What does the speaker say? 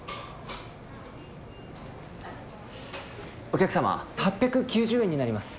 お客様８９０円になります。